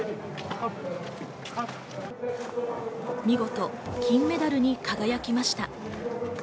見事、金メダルに輝きました。